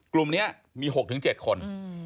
กลุ่มนี้มี๖๗คน